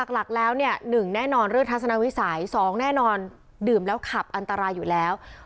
หลักแล้ว๑แน่นอนเรื่องทัศนวิสัย๒แน่นอนดื่มแล้วขับอันตรายอยู่แล้ว